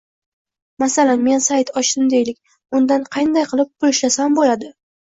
Masalan, Men sayt ochdim deylik, undan qanday qilib pul ishlasam bo’ladi